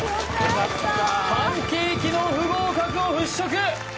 パンケーキの不合格を払拭